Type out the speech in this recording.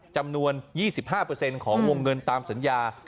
จำนวน๒๕ของวงเงินตามสัญญา